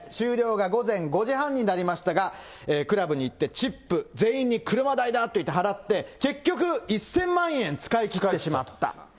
終了が午前５時半になりましたが、クラブに行って、チップ、全員に車代だと言って払って、結局１０００万円使い切ってしまった。